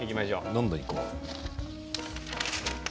どんどんいこう。